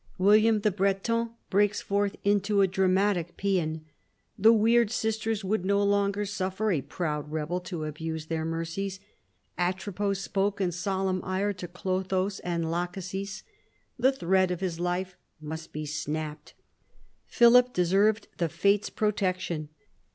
William the Breton breaks forth into a dramatic paean. The weird sisters would no longer suffer a proud rebel to abuse their mercies. Atropos spoke in solemn ire to Clotho and Lachesis. The thread of his life must be snapped. Philip deserved the Fates' pro tection.